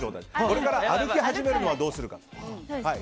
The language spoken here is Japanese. これから歩き始めるのはどうするかです。